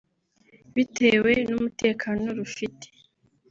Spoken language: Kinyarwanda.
bitewe n’umutekano rufite